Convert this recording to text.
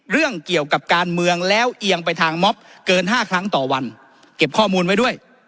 เรื่องเกี่ยวกับการเมืองแล้วเอียงไปทางม็อบเกิน๕ครั้งต่อวันเก็บข้อมูลไว้ด้วย